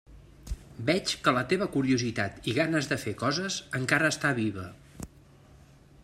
Veig que la teva curiositat i ganes de fer coses encara està viva.